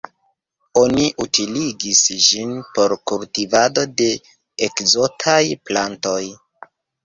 Oni utiligis ĝin por kultivado de ekzotaj plantoj.